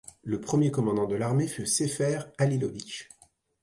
Le premier commandant de l'armée fut Sefer Halilović.